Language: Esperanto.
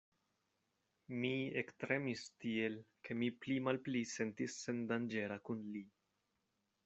Mi ektremis tiel, ke mi pli malpli sentis sendanĝera kun li.